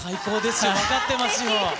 分かってますよ。